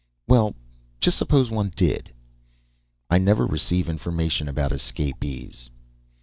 "Well, just suppose one did?" "I never receive information about escapees."